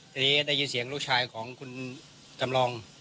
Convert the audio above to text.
ทีนี้ได้ยินเสียงลูกชายของคุณจำลอง